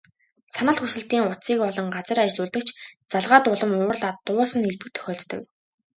Санал хүсэлтийн утсыг олон газар ажиллуулдаг ч, залгаад улам уурлаад дуусах нь элбэг тохиолддог.